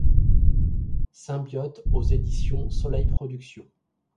Symbiote aux éditions Soleil Productions.